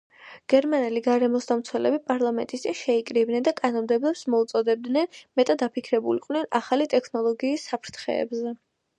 გერმანელი გარემოსდამცველები პარლამენტის წინ შეიკრიბნენ და კანონმდებლებს მოუწოდებდნენ, მეტად დაფიქრებულიყვნენ ახალი ტექნოლოგიის საფრთხეებზე.